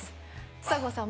ちさ子さん